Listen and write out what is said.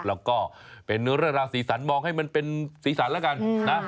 แล้วก็เป็นเรื่องราวสีสันมองให้มันเป็นสีสันแล้วกันนะ